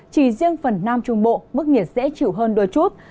chỉ riêng phần nam trung bộ mức nhiệt sẽ chịu hơn đôi chút